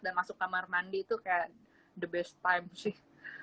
dan masuk kamar mandi itu kayak the best time sih